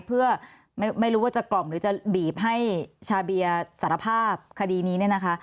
เพื่อไม่รู้ว่าจะกล่อมหรือจะบีบให้ชาเบียสารภาพคดีนี้เนี่ยนะคะ